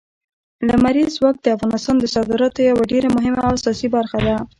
لمریز ځواک د افغانستان د صادراتو یوه ډېره مهمه او اساسي برخه ده.